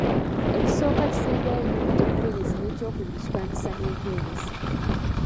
Ekisooka kisembyayo ennyukuta empeerezi n'ekyokubiri kitandisa n'empeerezi.